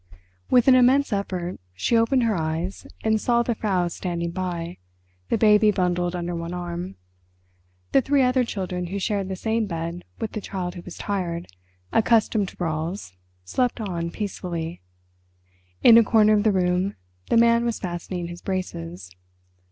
With an immense effort she opened her eyes, and saw the Frau standing by, the baby bundled under one arm. The three other children who shared the same bed with the Child Who Was Tired, accustomed to brawls, slept on peacefully. In a corner of the room the Man was fastening his braces.